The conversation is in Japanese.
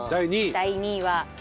第２位は。